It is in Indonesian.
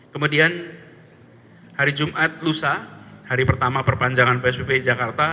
kemudian hari jumat lusa hari pertama perpanjangan psbb jakarta